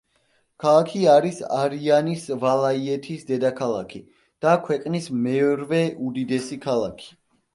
ქალაქი არის არიანის ვილაიეთის დედაქალაქი და ქვეყნის მერვე უდიდესი ქალაქი.